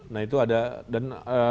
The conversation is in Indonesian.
nah itu ada dan